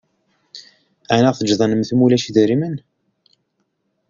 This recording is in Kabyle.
Ɛni ad ɣ-teǧǧeḍ an-nemmet imi ulac idrimen?